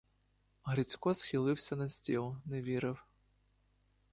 Грицько схилився на стіл, не вірив.